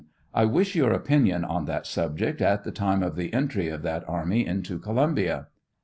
I wish your opinion on that subject at the time of the entry of that army into Columbia